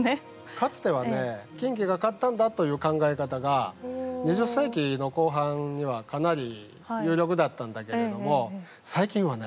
かつてはね近畿が勝ったんだという考え方が２０世紀の後半にはかなり有力だったんだけれども最近はね